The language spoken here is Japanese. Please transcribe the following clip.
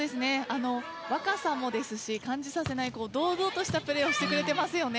若さも感じさせない堂々としたプレーをしてくれてますよね。